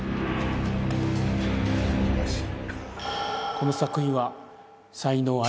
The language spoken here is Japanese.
この作品は。